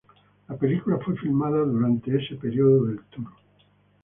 La película fue filmada durante ese periodo del tour.